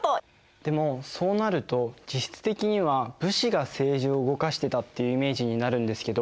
でもそうなると実質的には武士が政治を動かしてたっていうイメージになるんですけど。